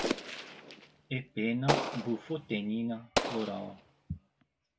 epena, bufotenina, floral